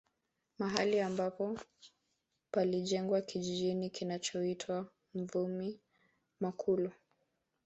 Mahali ambapo palijengwa kijiji kinachoitwa Mvumi Makulu